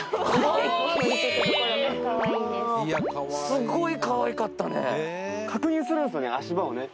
すごいかわいかったね